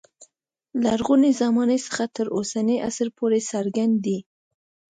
لرغونې زمانې څخه تر اوسني عصر پورې څرګند دی.